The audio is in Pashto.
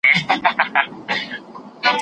مطلوب پوهه د مطالعې له لارې ترلاسه کیږي.